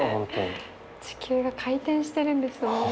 地球が回転してるんですもんね。